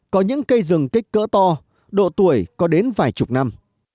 có những cây rừng kích cỡ to độ tuổi có đến vài chục năm